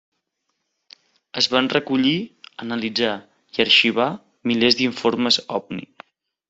Es van recollir, analitzar i arxivar milers d'informes ovni.